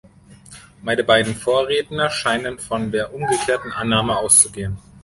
Meine beiden Vorredner scheinen von der umgekehrten Annahme auszugehen.